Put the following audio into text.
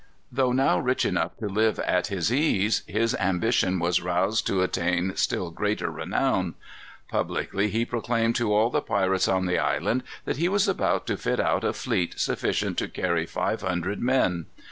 Though now rich enough to live at his ease, his ambition was roused to attain still greater renown. Publicly he proclaimed to all the pirates on the island, that he was about to fit out a fleet sufficient to carry five hundred men.